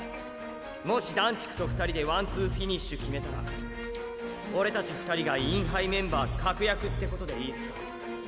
もし段竹と２人でワンツーフィニッシュ決めたらオレたち２人がインハイメンバー確約ってことでいいすか？